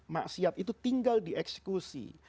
maksiat itu tinggal dieksekusi